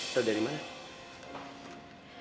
udah dari mana